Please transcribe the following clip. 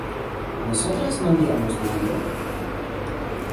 ¿nosotras no habíamos bebido?